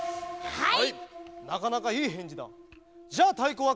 はい！